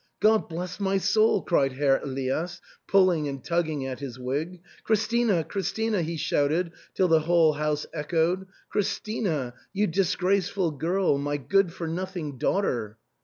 " God bless my soul !" cried Herr Elias, pulling and tugging at his wig. " Christina ! Christina !" he shouted, till the whole house echoed. " Christina ! You disgraceful girl ! My good for nothing daughter